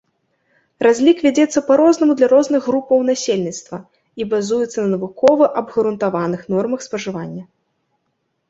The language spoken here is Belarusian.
Разлік вядзецца па-рознаму для розных групаў насельніцтва і базуецца на навукова абгрунтаваных нормах спажывання.